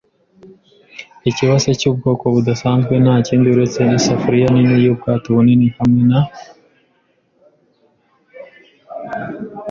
ikibase cyubwoko budasanzwe - ntakindi uretse isafuriya nini yubwato bunini, hamwe na